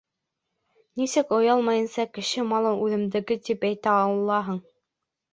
Нисек оялмайынса кеше малын «үҙемдеке» тип әйтә алаһың?